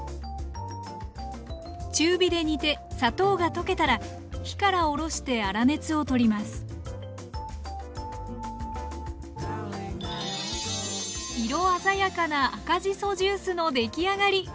中火で煮て砂糖が溶けたら火から下ろして粗熱を取ります色鮮やかな赤じそジュースのできあがり。